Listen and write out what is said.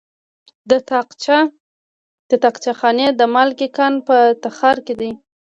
د طاقچه خانې د مالګې کان په تخار کې دی.